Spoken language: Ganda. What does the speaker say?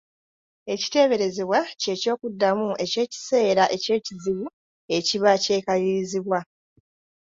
Ekiteeberezebwa, kye ky’okuddamu eky’ekiseera eky’ekizibu ekiba kyekalirizibwa.